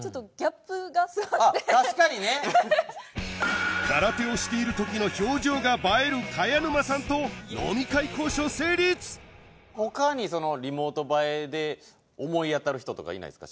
確かにね空手をしているときの表情が映える栢沼さんと飲み会交渉成立ほかにそのリモート映えで思い当たる人とかいないですか